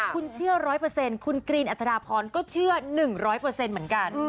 คุณเชื่อร้อยเปอร์เซ็นต์คุณกรีนอัศราพรก็เชื่อหนึ่งร้อยเปอร์เซ็นต์เหมือนกัน